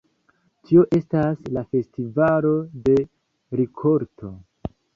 Tio estas la festivalo de rikolto.